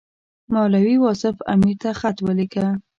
مولوي واصف امیر ته خط ولېږه.